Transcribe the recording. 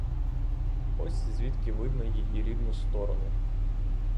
Ось звідки видно її рідну сторону.